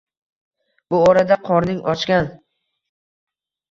Bu orada qorning ochgan